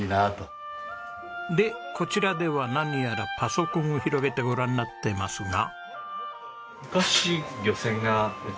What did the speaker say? でこちらでは何やらパソコンを広げてご覧になってますが。